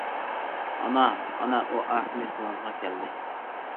-ئانا. ئانا. ئۇ ئاخىرى زۇۋانغا كەلدى.